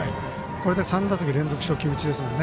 これで３打席連続初球打ち。